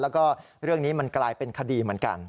แล้วก็เรื่องนี้มันกลายเป็นคดีเหมือนกัน